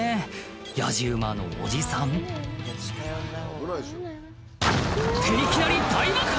やじ馬のおじさんっていきなり大爆発！